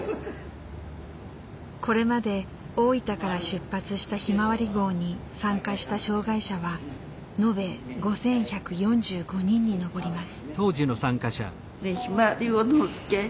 これまで大分から出発したひまわり号に参加した障害者は延べ５，１４５人に上ります。